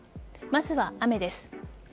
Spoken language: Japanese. まずは雨です。